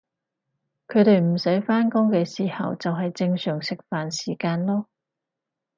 佢哋唔使返工嘅时候就係正常食飯時間囉